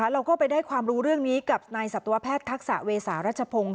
เราก็ไปได้ความรู้เรื่องนี้กับนายสัตวแพทย์ทักษะเวษารัชพงศ์